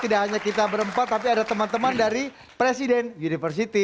tidak hanya kita berempat tapi ada teman teman dari presiden university